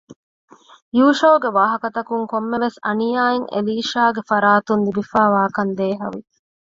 ޔޫޝައުގެ ވާހަކަތަކުން ކޮންމެވެސް އަނިޔާއެއް އެލީޝާގެފަރާތުން ލިބިފައިވާކަށް ދޭހަވި